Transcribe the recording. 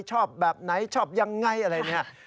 ชอบแบบไหนชอบอย่างไรอะไรแบบนี้